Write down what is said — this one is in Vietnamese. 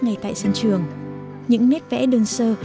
ngay tại sân trường những nét vẽ đơn sơ